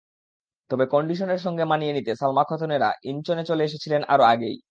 তবে কন্ডিশনের সঙ্গে মানিয়ে নিতে সালমা খাতুনেরা ইনচনে চলে এসেছিলেন আরও আগেই।